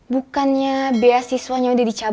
bukannya beasiswanya udah dicabut